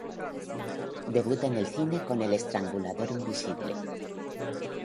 Debuta en el cine con "El Estrangulador Invisible".